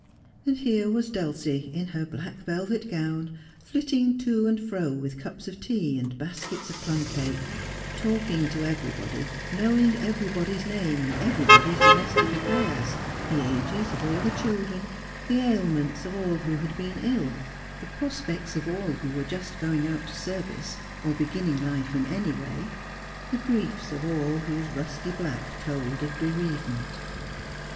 And here was Dulcie, in her black velvet gown, flitting to and fro with cups of tea, and baskets of plum cake, talking to everybody, knowing everybody's name and everybody's domestic affairs, the ages of all the children, the ailments of all who had been ill, the prospects of all who were just going out to service, or beginning life in any way ; the griefs of all whose rusty black told of bereavement.